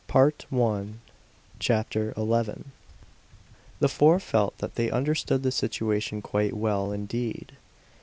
XI THE DOUBLE WORLD The four felt that they understood the situation quite well, indeed.